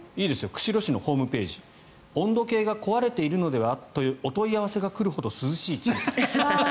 釧路市のホームページ温度計が壊れているのではとお問い合わせが来るほど涼しい地域。